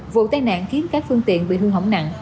vụ tai nạn khiến các phương tiện bị hư hỏng nặng